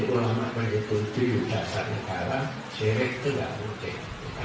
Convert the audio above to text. kalau pancasila itu syirik itu tidak mungkin